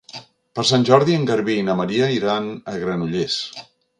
Per Sant Jordi en Garbí i na Maria iran a Granollers.